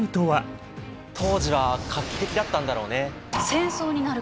当時は画期的だったんだろうね。